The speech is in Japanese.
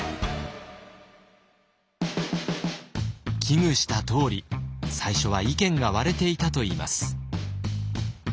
危惧したとおり最初は意見が割れていたといいます。